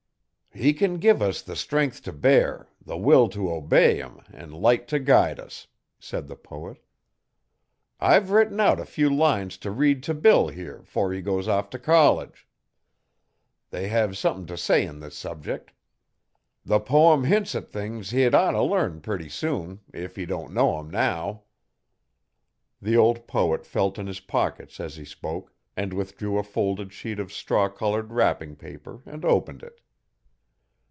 'He can give us the strength to bear, the will to obey him an' light to guide us,' said the poet. 'I've written out a few lines t' read t' Bill here 'fore he goes off t' college. They have sumthin' t' say on this subject. The poem hints at things he'd ought 'o learn purty soon if he don't know 'em now.' The old poet felt in his pockets as he spoke, and withdrew a folded sheet of straw coloured wrapping paper and opened it.